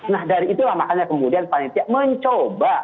nah dari itulah makanya kemudian panitia mencoba